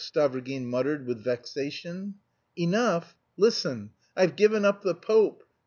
Stavrogin muttered with vexation. "Enough! Listen. I've given up the Pope!